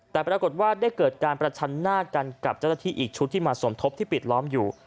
แต่ปรากฏว่าได้เกิดการประชันหน้ากันกับเจ้าหน้าที่อีกชุดที่มาสมทบที่ปิดล้อมอยู่